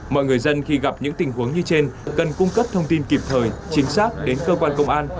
mọi người dân khi gặp những tình huống như trên cần cung cấp thông tin kịp thời chính xác đến cơ quan công an